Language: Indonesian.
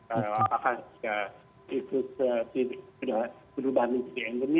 apakah itu sudah berubah menjadi endemi